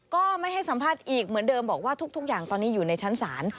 ก็ไม่ให้สัมภาษณ์อีกเหมือนเดิมบอกว่าทุกอย่างตอนนี้อยู่ในชั้นศาล